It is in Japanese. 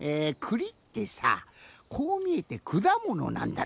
くりってさこうみえてくだものなんだって。